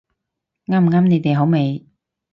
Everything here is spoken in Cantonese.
啱唔啱你哋口味